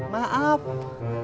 ibu kenapa nangis